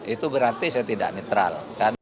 itu berarti saya tidak netral